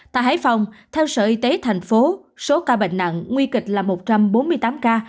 tại hải phòng theo sở y tế thành phố số ca bệnh nặng nguy kịch là một trăm bốn mươi tám ca